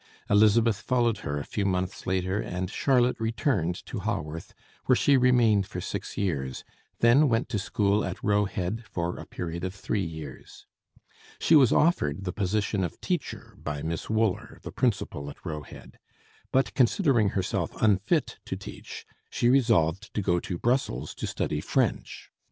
Elizabeth followed her a few months later, and Charlotte returned to Haworth, where she remained for six years, then went to school at Roe Head for a period of three years. She was offered the position of teacher by Miss Wooler, the principal at Roe Head, but considering herself unfit to teach, she resolved to go to Brussels to study French.